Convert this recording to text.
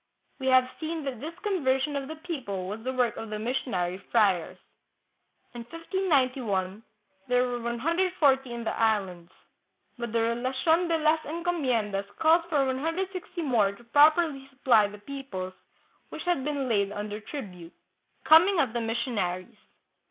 We have seen that this conversion of the people was the work of the missionary friars. In 1591 there were 140 in the Islands, but the Relation de las Enco miendas calls for 160 more to properly supply the peoples which had been laid under tribute. Coming of the Missionaries.